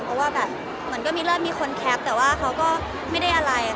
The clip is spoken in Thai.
เพราะว่าแบบเหมือนก็มีเริ่มมีคนแคปแต่ว่าเขาก็ไม่ได้อะไร